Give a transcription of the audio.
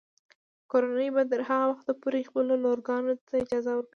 کورنۍ به تر هغه وخته پورې خپلو لورګانو ته اجازه ورکوي.